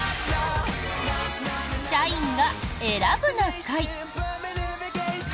「社員が選ぶな会」。